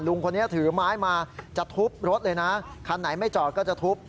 ลุงคนนี้ถือไม้มาจะทุบรถเลยนะคันไหนไม่จอดก็จะทุบ